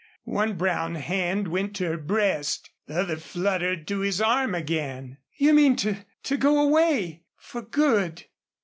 One brown hand went to her breast, the other fluttered to his arm again. "You mean to to go away for good."